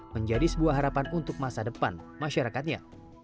menjadi sebuah harapan untuk masa depan masyarakatnya